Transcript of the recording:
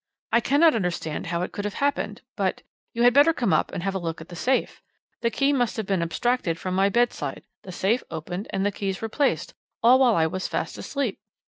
"'I cannot understand how it could have happened but you had better come up and have a look at the safe. The key must have been abstracted from my bedside, the safe opened, and the keys replaced all while I was fast asleep.